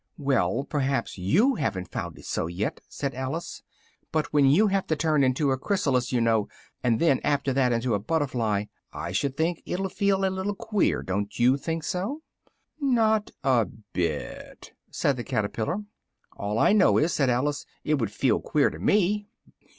"Well, perhaps you haven't found it so yet," said Alice, "but when you have to turn into a chrysalis, you know, and then after that into a butterfly, I should think it'll feel a little queer, don't you think so?" "Not a bit," said the caterpillar. "All I know is," said Alice, "it would feel queer to me."